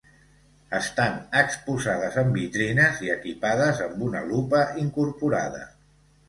Estan exposades en vitrines i equipades amb una lupa incorporada.